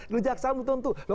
di kejaksaan belum tentu